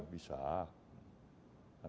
tidak ada masalah bisa